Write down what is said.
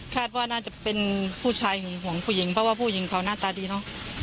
ว่าน่าจะเป็นผู้ชายหึงห่วงผู้หญิงเพราะว่าผู้หญิงเขาหน้าตาดีเนอะ